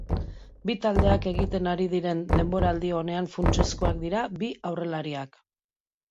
Bi taldeak egiten ari diren denboraldi onean funtsezkoak dira bi aurrelariak.